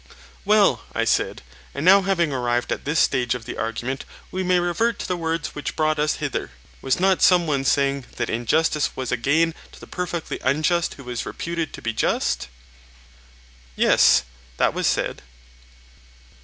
Well, I said, and now having arrived at this stage of the argument, we may revert to the words which brought us hither: Was not some one saying that injustice was a gain to the perfectly unjust who was reputed to be just? Yes, that was said.